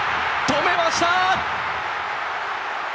止めました！